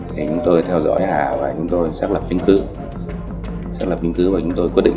thì chúng tôi theo dõi hà và chúng tôi xác lập bình cứu xác lập bình cứu và chúng tôi quyết định